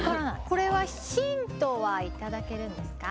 これはヒントは頂けるんですか。